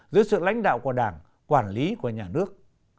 dưới sự lãnh đạo của đảng quản lý của nhà nước